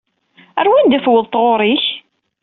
Ɣer wanda i tewweḍ taɣuṛi-k?